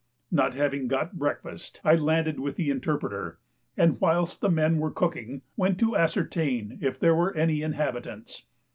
Not having got breakfast, I landed with the interpreter, and, whilst the men were cooking, went to ascertain if there were any inhabitants.